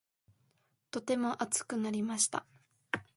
とても、熱くなりました